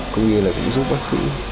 cũng như là cũng giúp bác sĩ